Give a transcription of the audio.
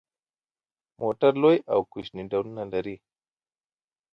موټر لوی او کوچني ډولونه لري.